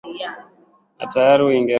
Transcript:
na tayari uingereza imeandikia